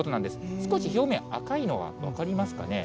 少し表面、赤いのは分かりますかね。